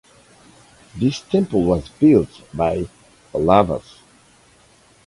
This temple was built by Pallavas.